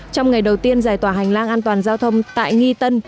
trong ngày đầu tiên giải tỏa hành lang an toàn giao thông tại nghi tân